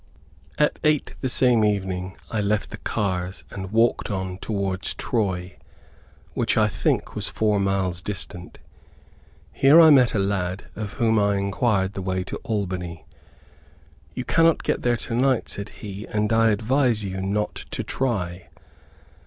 At eight the same evening I left the cars, and walked on towards Troy, which I think was four miles distant. Here I met a lad, of whom I inquired the way to Albany. "You cannot get there to night," said he, "and I advise you not to try."